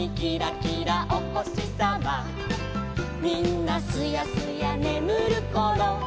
「みんなすやすやねむるころ」